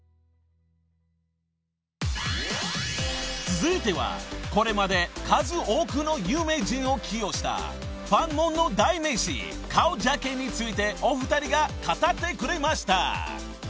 ［続いてはこれまで数多くの有名人を起用したファンモンの代名詞顔ジャケについてお二人が語ってくれました］